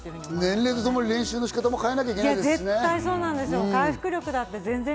年齢とともに練習の仕方も変えなきゃいけないですしね。